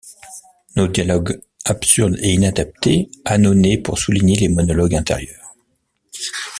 Nos dialogues absurdes et inadaptés ânonnés pour souligner les monologues intérieurs.